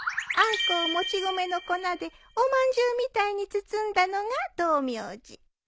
あんこをもち米の粉でおまんじゅうみたいに包んだのが道明寺。